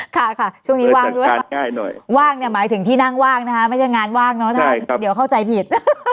ค่ะค่ะช่วงนี้ว่างด้วยว่างเนี่ยหมายถึงที่นั่งว่างนะคะไม่ใช่งานว่างเนอะเดี๋ยวเข้าใจผิด